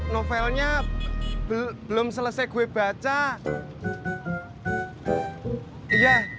soalnya tadi dia bilang udah dibaca separoh